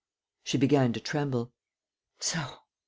She began to tremble: "So